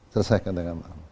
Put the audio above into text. selesaikan dengan lama